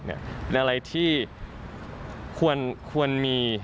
อะไรที่ควรมี